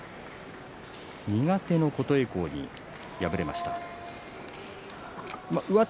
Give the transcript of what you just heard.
苦手の琴恵光に敗れました。